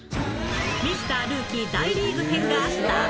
ミスター・ルーキー大リーグ編があった？